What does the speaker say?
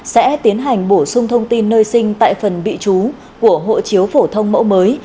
sẽ tiến hành bổ sung thông tin nơi sinh tại phần bị chú của hộ chiếu phổ thông mẫu mới